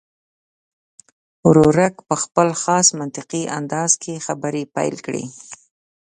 ورورک په خپل خاص منطقي انداز کې خبرې پیل کړې.